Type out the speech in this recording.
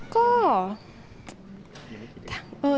เกิดวันไหม